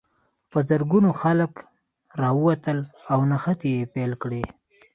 په زرګونو خلک راووتل او نښتې یې پیل کړې.